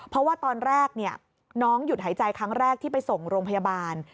เพราะว่าตอนแรกน้องหยุดหายใจครั้งแรกที่ไปส่งโรงพยาบาล